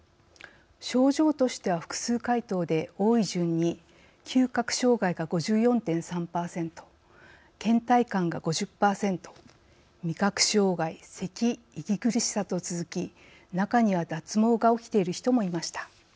症状としては複数回答で多い順に嗅覚障害が５４．３パーセントけん怠感が５０パーセント味覚障害せき息苦しさと続き中には脱毛が起きている人もいました。